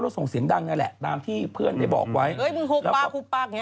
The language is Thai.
แล้วส่งเสียงดังนั่นแหละตามที่เพื่อนได้บอกไว้เอ้ยมึงหุบปากหุบปากอย่างเ